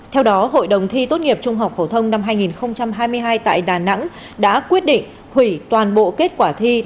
theo đó hội đồng thi tốt nghiệp trung học phổ thông năm hai nghìn hai mươi hai tại đà nẵng đã quyết định hủy toàn bộ kết quả thi